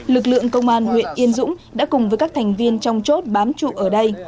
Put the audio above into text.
lực lượng công an huyện yên dũng đã cùng với các thành viên trong chốt bám trụ ở đây